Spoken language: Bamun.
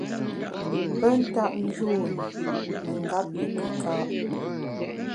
Pe ntap njûn i mengap te kùka’.